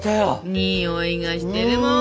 においがしてるもん。